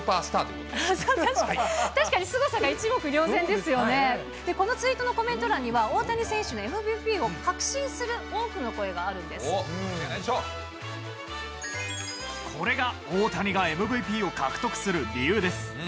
このツイートのコメント欄には、大谷選手のＭＶＰを確信する多くこれが大谷がＭＶＰを獲得する理由です。